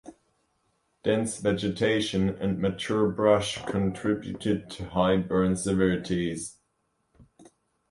Dense vegetation and mature brush contributed to high burn severities.